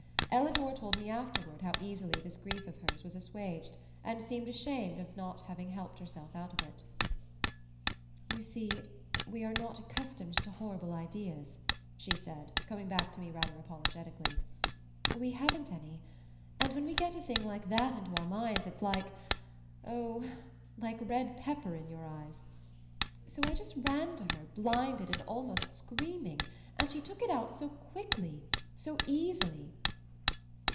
Ellador told me afterward how easily this grief of hers was assuaged, and seemed ashamed of not having helped herself out of it. "You see, we are not accustomed to horrible ideas," she said, coming back to me rather apologetically. "We haven't any. And when we get a thing like that into our minds it's like oh, like red pepper in your eyes. So I just ran to her, blinded and almost screaming, and she took it out so quickly so easily!"